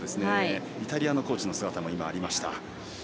イタリアのコーチの姿も映りました。